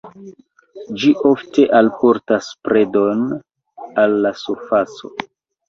Ĝi ofte alportas predon al la surfaco.